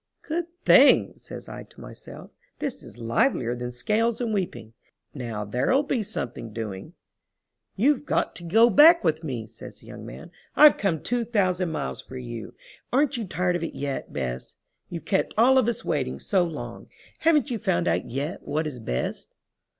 "Good thing!" says I to myself. "This is livelier than scales and weeping. Now there'll be something doing." "You've got to go back with me," says the young man. "I've come two thousand miles for you. Aren't you tired of it yet. Bess? You've kept all of us waiting so long. Haven't you found out yet what is best?"